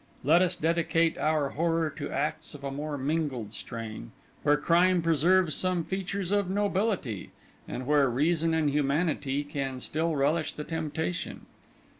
Let us dedicate our horror to acts of a more mingled strain, where crime preserves some features of nobility, and where reason and humanity can still relish the temptation.